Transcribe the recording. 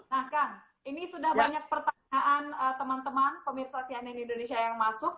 nah kang ini sudah banyak pertanyaan teman teman pemirsa cnn indonesia yang masuk